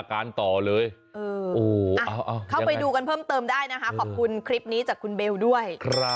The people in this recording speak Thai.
เข้าไปดูกันเพิ่มเติมได้นะคะขอบคุณคลิปนี้จากคุณเบลด้วย